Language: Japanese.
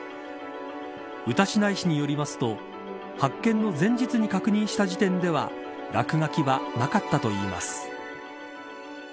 歌志内市によりますと発見の前日に確認した時点では落書きはなかったといいます。